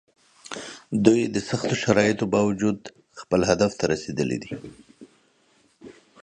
دوی د سختو شرایطو باوجود خپل هدف ته رسېدلي دي.